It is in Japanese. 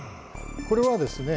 これはですね